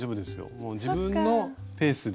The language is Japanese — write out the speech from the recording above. もう自分のペースで。